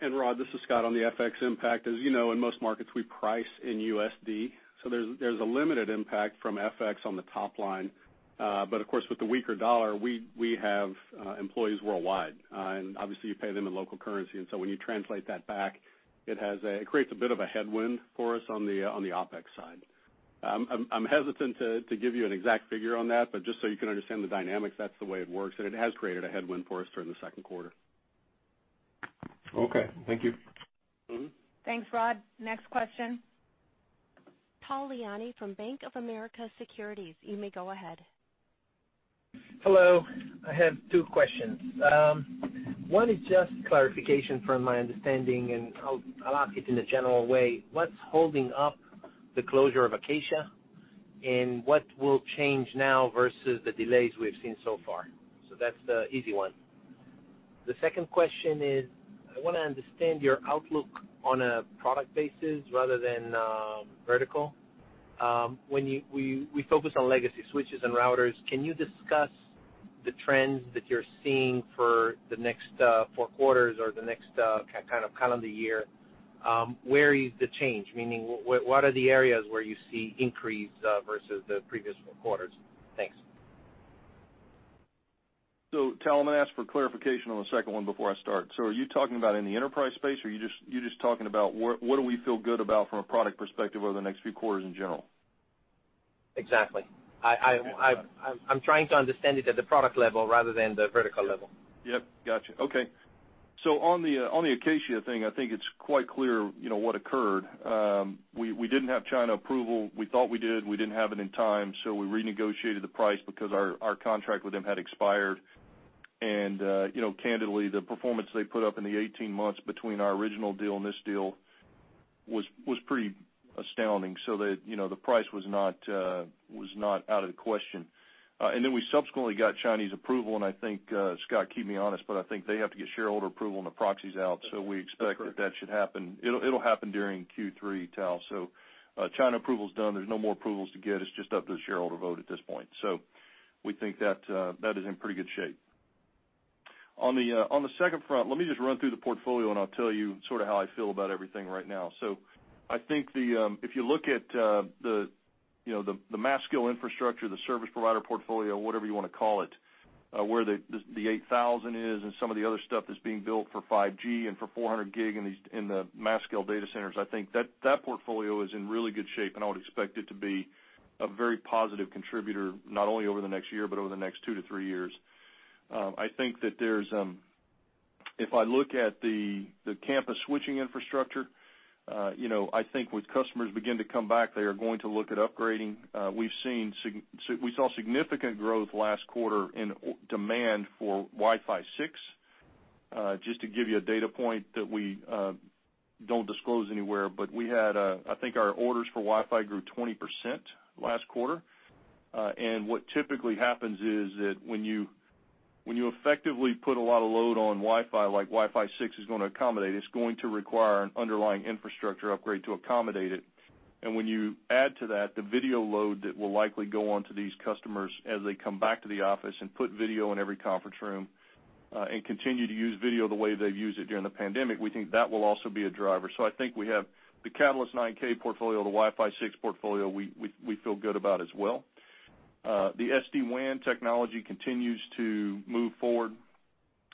Rod, this is Scott on the FX impact. As you know, in most markets, we price in USD, so there's a limited impact from FX on the top line. Of course, with the weaker dollar, we have employees worldwide, and obviously you pay them in local currency. When you translate that back, it creates a bit of a headwind for us on the OPEX side. I'm hesitant to give you an exact figure on that, but just so you can understand the dynamics, that's the way it works, and it has created a headwind for us during the second quarter. Okay. Thank you. Thanks, Rod. Next question. Tal Liani from Bank of America Securities, you may go ahead. Hello. I have two questions. One is just clarification from my understanding, I'll ask it in a general way. What's holding up the closure of Acacia? What will change now versus the delays we've seen so far? That's the easy one. The second question is, I want to understand your outlook on a product basis rather than vertical. We focus on legacy switches and routers. Can you discuss the trends that you're seeing for the next four quarters or the next kind of calendar year? Where is the change? Meaning, what are the areas where you see increase versus the previous quarters? Thanks. Tal, I'm going to ask for clarification on the second one before I start. Are you talking about in the enterprise space, or are you just talking about what do we feel good about from a product perspective over the next few quarters in general? Exactly. I'm trying to understand it at the product level rather than the vertical level. Yep. Got you. Okay. On the Acacia thing, I think it's quite clear what occurred. We didn't have China approval. We thought we did. We didn't have it in time, we renegotiated the price because our contract with them had expired. Candidly, the performance they put up in the 18 months between our original deal and this deal was pretty astounding so that the price was not out of the question. We subsequently got Chinese approval, I think, Scott, keep me honest, but I think they have to get shareholder approval, and the proxy's out. We expect that that should happen. It'll happen during Q3, Tal. China approval's done. There's no more approvals to get. It's just up to the shareholder vote at this point. We think that is in pretty good shape. On the second front, let me just run through the portfolio, and I'll tell you sort of how I feel about everything right now. I think if you look at the mass scale infrastructure, the service provider portfolio, whatever you want to call it, where the 8000 is and some of the other stuff that's being built for 5G and for 400 Gig in the mass scale data centers, I think that portfolio is in really good shape, and I would expect it to be a very positive contributor, not only over the next year, but over the next two to three years. If I look at the campus switching infrastructure, I think with customers begin to come back, they are going to look at upgrading. We saw significant growth last quarter in demand for Wi-Fi 6. Just to give you a data point that we don't disclose anywhere, but I think our orders for Wi-Fi grew 20% last quarter. What typically happens is that when you effectively put a lot of load on Wi-Fi, like Wi-Fi 6 is going to accommodate, it's going to require an underlying infrastructure upgrade to accommodate it. When you add to that the video load that will likely go on to these customers as they come back to the office and put video in every conference room, and continue to use video the way they've used it during the pandemic, we think that will also be a driver. I think we have the Catalyst 9K portfolio, the Wi-Fi 6 portfolio, we feel good about as well. The SD-WAN technology continues to move forward.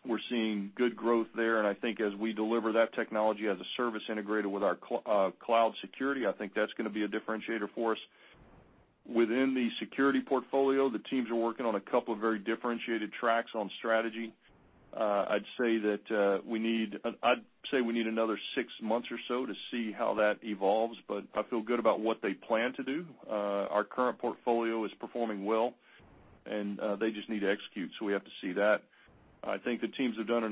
We're seeing good growth there, and I think as we deliver that technology as a service integrated with our cloud security, I think that's going to be a differentiator for us. Within the security portfolio, the teams are working on a couple of very differentiated tracks on strategy. I'd say we need another six months or so to see how that evolves, but I feel good about what they plan to do. Our current portfolio is performing well, and they just need to execute, so we have to see that. I think the teams have done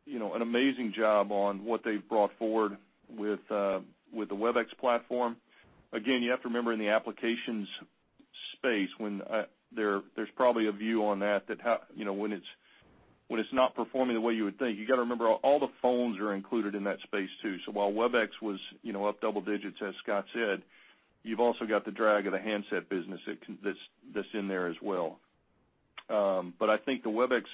an amazing job on what they've brought forward with the Webex platform. You have to remember, in the applications space, there's probably a view on that, when it's not performing the way you would think. You got to remember, all the phones are included in that space, too. While Webex was up double digits, as Scott said, you've also got the drag of the handset business that's in there as well. I think the Webex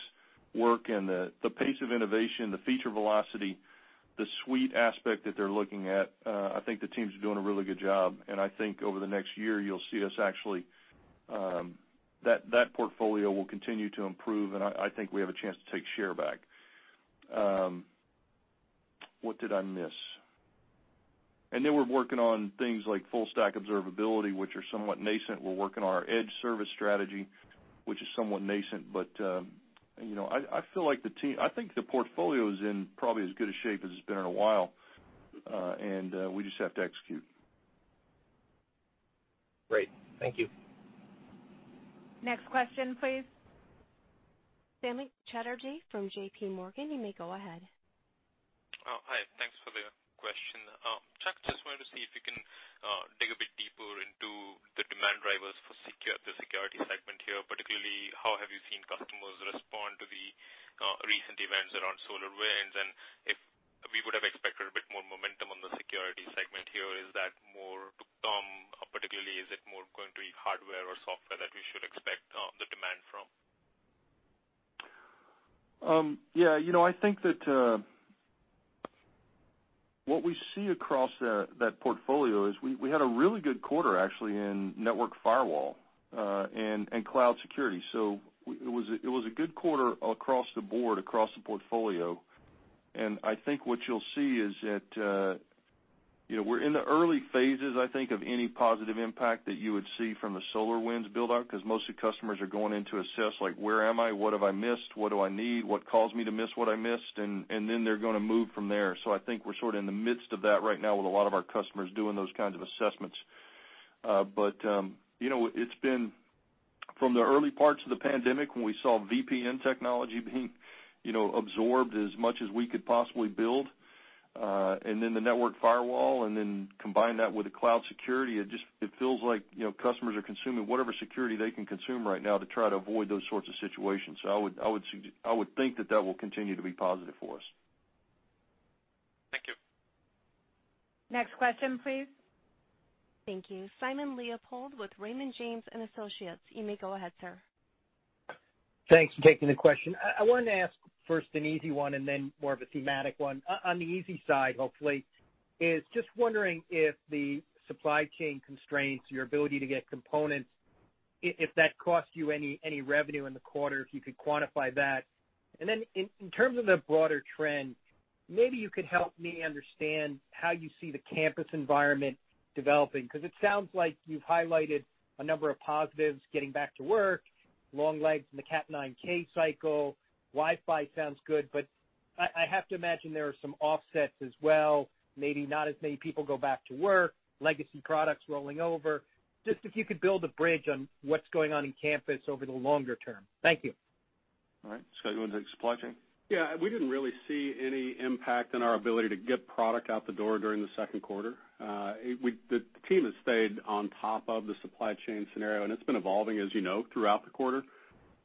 work and the pace of innovation, the feature velocity, the suite aspect that they're looking at, I think the team's doing a really good job, and I think over the next year, you'll see us actually. That portfolio will continue to improve, and I think we have a chance to take share back. What did I miss? Then we're working on things like full stack observability, which are somewhat nascent. We're working on our edge service strategy, which is somewhat nascent. I think the portfolio is in probably as good a shape as it's been in a while, and we just have to execute. Great. Thank you. Next question, please. Samik Chatterjee from J.P. Morgan, you may go ahead. Oh, hi. Thanks for the question. Chuck, just wanted to see if you can dig a bit deeper into the demand drivers for the security segment here. Particularly, how have you seen customers respond to the recent events around SolarWinds, and if we would have expected a bit more momentum on the security segment here. Is that more to come? Particularly, is it more going to be hardware or software that we should expect the demand from? Yeah. I think that what we see across that portfolio is we had a really good quarter, actually, in network firewall, and cloud security. It was a good quarter across the board, across the portfolio. I think what you'll see is that we're in the early phases, I think, of any positive impact that you would see from the SolarWinds build-out, because most of the customers are going in to assess, like, where am I? What have I missed? What do I need? What caused me to miss what I missed? Then they're going to move from there. I think we're sort of in the midst of that right now with a lot of our customers doing those kinds of assessments. From the early parts of the pandemic, when we saw VPN technology being absorbed as much as we could possibly build, and then the network firewall, and then combine that with the cloud security, it feels like customers are consuming whatever security they can consume right now to try to avoid those sorts of situations. I would think that that will continue to be positive for us. Thank you. Next question, please. Thank you. Simon Leopold with Raymond James & Associates. You may go ahead, sir. Thanks for taking the question. I wanted to ask first an easy one and then more of a thematic one. On the easy side, hopefully, is just wondering if the supply chain constraints, your ability to get components, if that cost you any revenue in the quarter, if you could quantify that. In terms of the broader trend, maybe you could help me understand how you see the campus environment developing, because it sounds like you've highlighted a number of positives getting back to work, long legs in the Cat 9K cycle. Wi-Fi sounds good, I have to imagine there are some offsets as well. Maybe not as many people go back to work, legacy products rolling over. Just if you could build a bridge on what's going on in campus over the longer term. Thank you. All right. Scott, you want to take supply chain? We didn't really see any impact on our ability to get product out the door during the second quarter. The team has stayed on top of the supply chain scenario, and it's been evolving, as you know, throughout the quarter.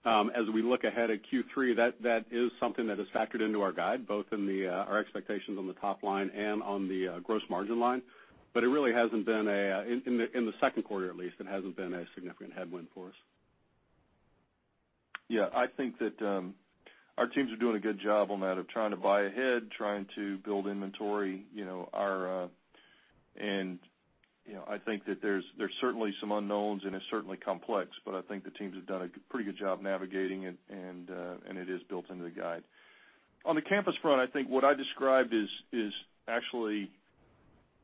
As we look ahead at Q3, that is something that is factored into our guide, both in our expectations on the top line and on the gross margin line. In the second quarter, at least, it hasn't been a significant headwind for us. Yeah, I think that our teams are doing a good job on that, of trying to buy ahead, trying to build inventory. I think that there's certainly some unknowns, and it's certainly complex, but I think the teams have done a pretty good job navigating it, and it is built into the guide. On the campus front, I think what I described is actually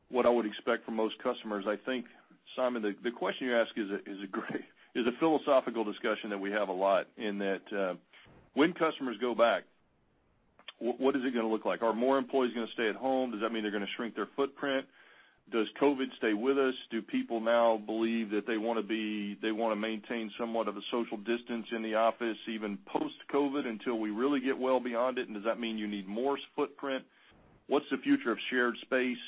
what I would expect from most customers. I think, Simon, the question you ask is a great philosophical discussion that we have a lot, in that when customers go back, what is it going to look like? Are more employees going to stay at home? Does that mean they're going to shrink their footprint? Does COVID stay with us? Do people now believe that they want to maintain somewhat of a social distance in the office, even post-COVID, until we really get well beyond it? Does that mean you need more footprint? What's the future of shared space?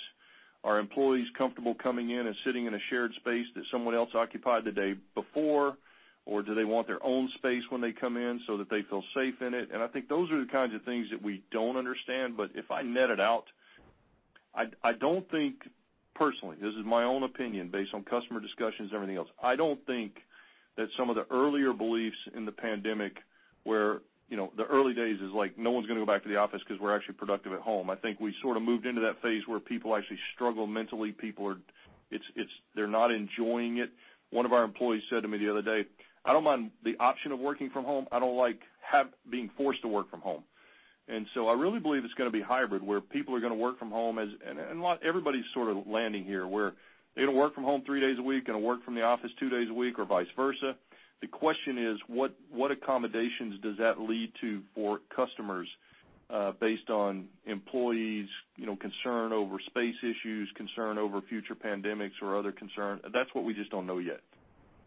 Are employees comfortable coming in and sitting in a shared space that someone else occupied the day before, or do they want their own space when they come in so that they feel safe in it? I think those are the kinds of things that we don't understand, but if I net it out, I don't think, personally, this is my own opinion, based on customer discussions and everything else, I don't think that some of the earlier beliefs in the pandemic, where the early days is like, no one's going to go back to the office because we're actually productive at home. I think we sort of moved into that phase where people actually struggle mentally. They're not enjoying it. One of our employees said to me the other day, "I don't mind the option of working from home. I don't like being forced to work from home." I really believe it's going to be hybrid, where people are going to work from home, and everybody's sort of landing here, where they're going to work from home three days a week and work from the office two days a week, or vice versa. The question is, what accommodations does that lead to for customers, based on employees' concern over space issues, concern over future pandemics, or other concerns? That's what we just don't know yet.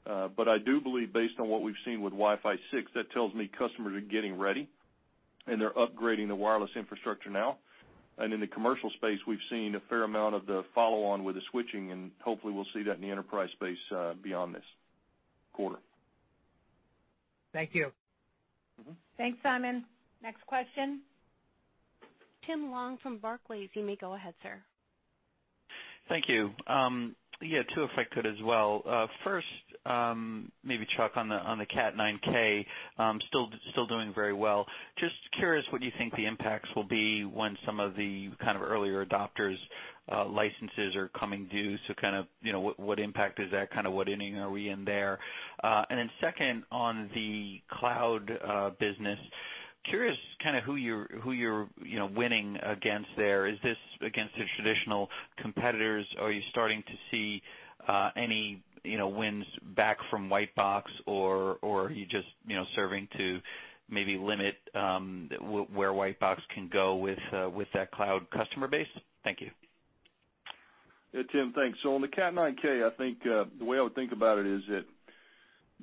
I do believe, based on what we've seen with Wi-Fi 6, that tells me customers are getting ready and they're upgrading the wireless infrastructure now. In the commercial space, we've seen a fair amount of the follow-on with the switching, and hopefully we'll see that in the enterprise space beyond this quarter. Thank you. Thanks, Simon. Next question. Tim Long from Barclays. You may go ahead, sir. Thank you. Yeah, two, if I could as well. First, maybe Chuck, on the Cat 9K, still doing very well. Just curious what you think the impacts will be when some of the earlier adopters' licenses are coming due. What impact is that? What inning are we in there? Second, on the cloud business, curious who you're winning against there. Is this against the traditional competitors? Are you starting to see any wins back from white box, or are you just serving to maybe limit where white box can go with that cloud customer base? Thank you. Yeah, Tim. Thanks. On the Cat 9K, I think the way I would think about it is that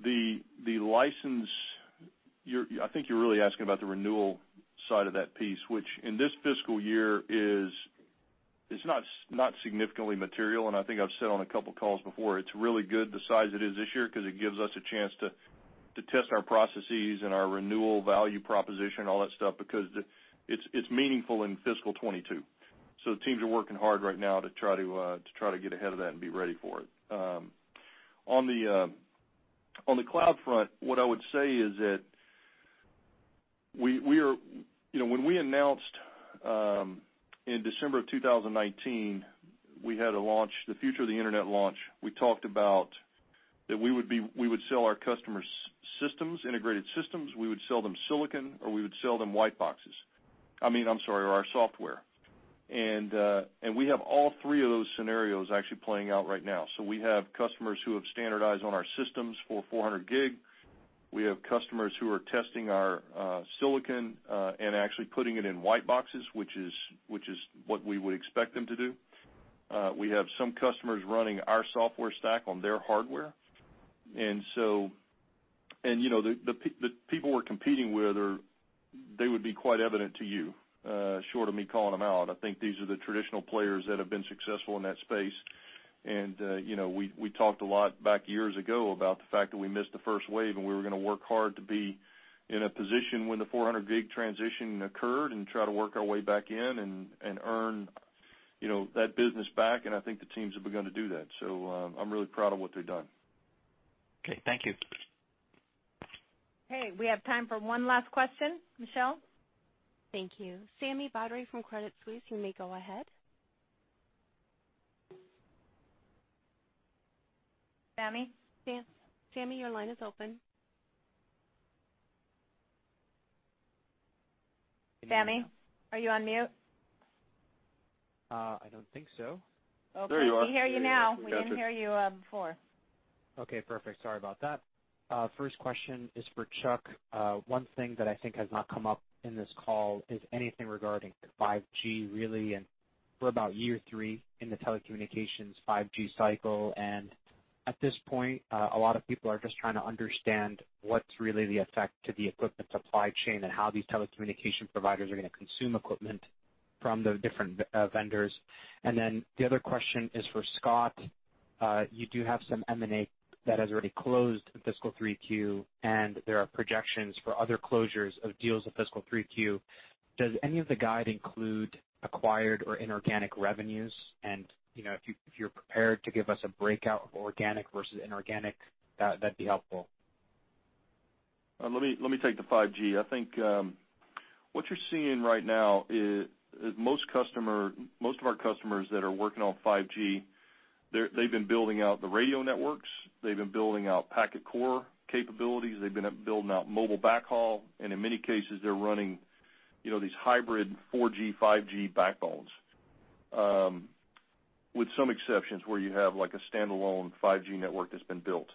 the license, I think you're really asking about the renewal side of that piece, which in this fiscal year is not significantly material, and I think I've said on a couple of calls before, it's really good the size it is this year, because it gives us a chance to test our processes and our renewal value proposition, all that stuff, because it's meaningful in fiscal 2022. The teams are working hard right now to try to get ahead of that and be ready for it. On the cloud front, what I would say is that when we announced in December of 2019, we had the Future of the Internet launch. We talked about that we would sell our customers integrated systems, we would sell them silicon, or we would sell them white boxes. I mean, I'm sorry, our software. We have all three of those scenarios actually playing out right now. We have customers who have standardized on our systems for 400G. We have customers who are testing our silicon and actually putting it in white boxes, which is what we would expect them to do. We have some customers running our software stack on their hardware. The people we're competing with, they would be quite evident to you, short of me calling them out. I think these are the traditional players that have been successful in that space. We talked a lot back years ago about the fact that we missed the first wave, and we were going to work hard to be in a position when the 400G transition occurred and try to work our way back in and earn that business back. I think the teams have begun to do that. I'm really proud of what they've done. Okay. Thank you. Okay, we have time for one last question. Michelle? Thank you. Sami Badri from Credit Suisse, you may go ahead. Sami? Sami, your line is open. Sami, are you on mute? There you are. Okay, we can hear you now. There you go. We got you. We didn't hear you before. Okay, perfect. Sorry about that. First question is for Chuck. One thing that I think has not come up in this call is anything regarding 5G, really, and we're about year three in the telecommunications 5G cycle, and at this point, a lot of people are just trying to understand what's really the effect to the equipment supply chain and how these telecommunication providers are going to consume equipment from the different vendors. The other question is for Scott. You do have some M&A that has already closed in fiscal 3Q, and there are projections for other closures of deals in fiscal 3Q. Does any of the guide include acquired or inorganic revenues? If you're prepared to give us a breakout of organic versus inorganic, that'd be helpful. Let me take the 5G. I think what you're seeing right now is most of our customers that are working on 5G, they've been building out the radio networks. They've been building out packet core capabilities. They've been building out mobile backhaul, and in many cases, they're running these hybrid 4G, 5G backbones, with some exceptions where you have a standalone 5G network that's been built.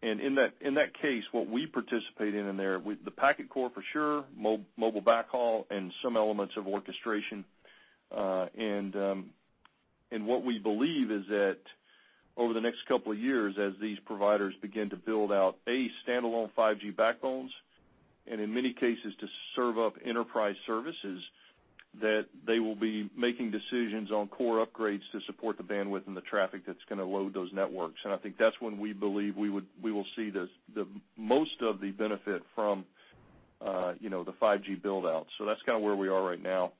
In that case, what we participate in in there, the packet core for sure, mobile backhaul, and some elements of orchestration. What we believe is that over the next couple of years, as these providers begin to build out, A, standalone 5G backbones, and in many cases to serve up enterprise services, that they will be making decisions on core upgrades to support the bandwidth and the traffic that's going to load those networks. I think that's when we believe we will see most of the benefit from the 5G build-out. That's kind of where we are right now.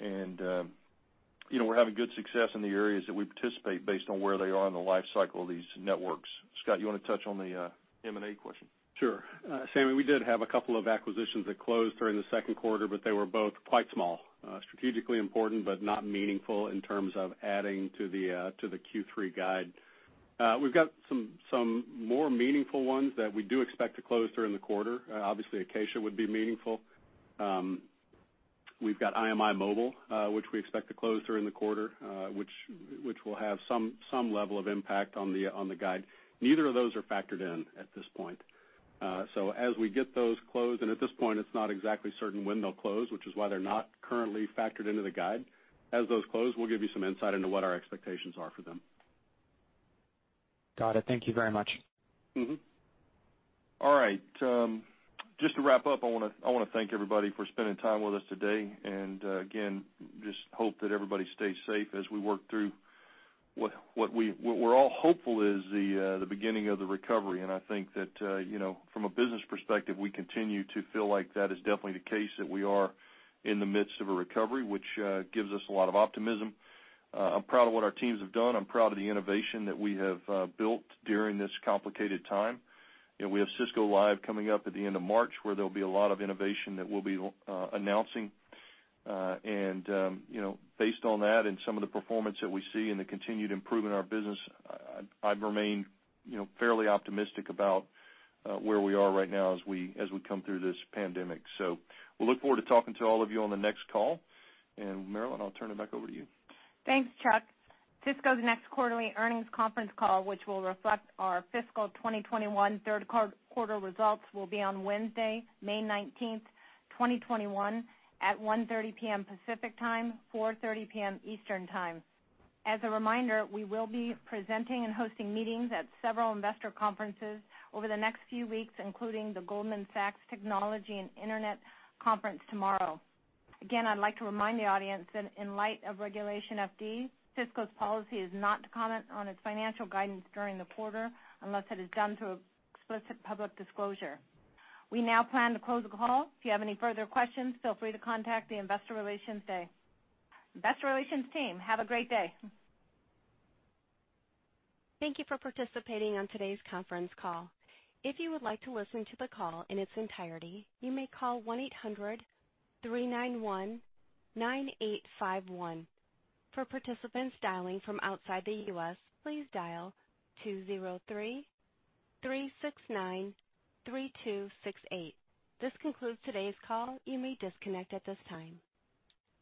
We're having good success in the areas that we participate based on where they are in the life cycle of these networks. Scott, you want to touch on the M&A question? Sure. Sami, we did have a couple of acquisitions that closed during the second quarter. They were both quite small. Strategically important, not meaningful in terms of adding to the Q3 guide. We've got some more meaningful ones that we do expect to close during the quarter. Obviously, Acacia would be meaningful. We've got IMImobile, which we expect to close during the quarter, which will have some level of impact on the guide. Neither of those are factored in at this point. As we get those closed, and at this point, it's not exactly certain when they'll close, which is why they're not currently factored into the guide. As those close, we'll give you some insight into what our expectations are for them. Got it. Thank you very much. All right. Just to wrap up, I want to thank everybody for spending time with us today. Again, just hope that everybody stays safe as we work through what we're all hopeful is the beginning of the recovery. I think that from a business perspective, we continue to feel like that is definitely the case, that we are in the midst of a recovery, which gives us a lot of optimism. I'm proud of what our teams have done. I'm proud of the innovation that we have built during this complicated time. We have Cisco Live coming up at the end of March, where there'll be a lot of innovation that we'll be announcing. Based on that and some of the performance that we see and the continued improvement in our business, I remain fairly optimistic about where we are right now as we come through this pandemic. We'll look forward to talking to all of you on the next call. Marilyn, I'll turn it back over to you. Thanks, Chuck. Cisco's next quarterly earnings conference call, which will reflect our fiscal 2021 third quarter results, will be on Wednesday, May 19th, 2021 at 1:30 P.M. Pacific Time, 4:30 P.M. Eastern Time. As a reminder, we will be presenting and hosting meetings at several investor conferences over the next few weeks, including the Goldman Sachs Technology and Internet Conference tomorrow. Again, I'd like to remind the audience that in light of Regulation FD, Cisco's policy is not to comment on its financial guidance during the quarter unless it is done through explicit public disclosure. We now plan to close the call. If you have any further questions, feel free to contact the investor relations team. Have a great day. Thank you for participating on today's conference call. If you would like to listen to the call in its entirety, you may call 1-800-391-9851. For participants dialing from outside the U.S., please dial 203-369-3268. This concludes today's call. You may disconnect at this time.